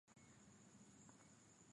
Nimekula maembe.